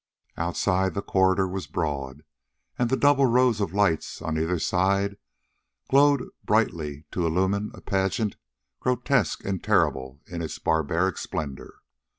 Outside, the corridor was broad, and the double rows of lights on either side glowed brightly to illumine a pageant grotesque and terrible in its barbaric splendor.